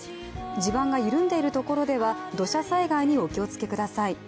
地盤が緩んでいるところでは土砂災害にお気をつけください。